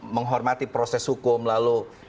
menghormati proses hukum lalu